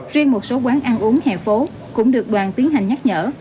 riêng một số quán ăn uống hè phố cũng được đoàn tiến hành nhắc nhở